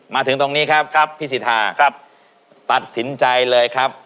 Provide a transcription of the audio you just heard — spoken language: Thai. มาถึงตรงนี้ครับครับพี่สิทธาตัดสินใจเลยครับ